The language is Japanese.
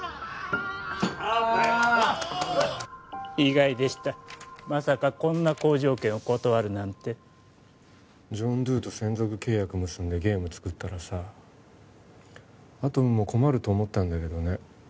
意外でしたまさかこんな好条件を断るなんてジョン・ドゥと専属契約結んでゲーム作ったらさアトムも困ると思ったんだけどね